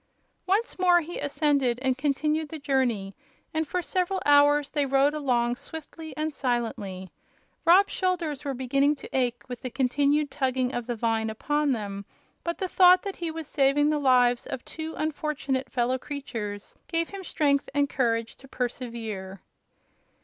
Once more he ascended and continued the journey, and for several hours they rode along swiftly and silently. Rob's shoulders were beginning to ache with the continued tugging of the vine upon them, but the thought that he was saving the lives of two unfortunate fellow creatures gave him strength and courage to persevere.